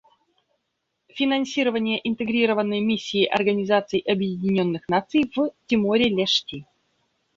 Финансирование Интегрированной миссии Организации Объединенных Наций в Тиморе-Лешти.